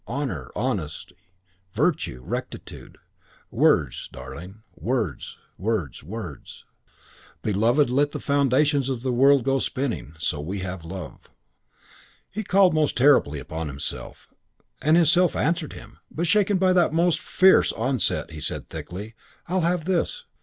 Honour, honesty, virtue, rectitude words, darling, words, words, words! Beloved, let the foundations of the world go spinning, so we have love." He called most terribly upon himself, and his self answered him; but shaken by that most fierce onset he said thickly, "I'll have this.